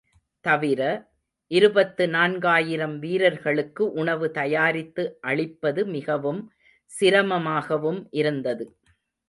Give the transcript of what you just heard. தவிர, இருபத்து நான்காயிரம் வீரர்களுக்கு உணவு தயாரித்து அளிப்பது மிகவும் சிரமமாகவும் இருந்தது.